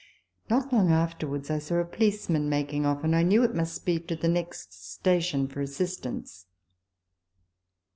Not long afterwards I saw a policeman making off, and I knew it must be to the next station for assistance.